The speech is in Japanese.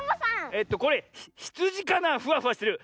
えっとこれひつじかなフワフワしてる。